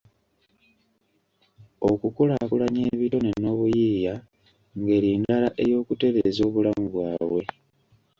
Okukulaakulanya ebitone n'obuyiiya ngeri ndala ey'okutereeza obulamu bwabwe.